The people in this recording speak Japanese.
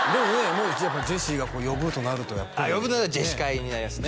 もうやっぱジェシーがこう呼ぶとなるとやっぱり呼ぶのがジェシ会になりますね